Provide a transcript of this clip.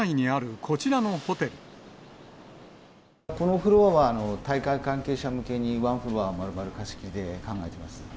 このフロアは大会関係者向けに、ワンフロアをまるまる貸し切りで考えております。